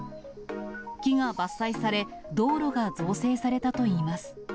木が伐採され、道路が造成されたといいます。